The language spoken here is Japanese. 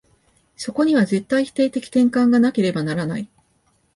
そこには絶対否定的転換がなければならない。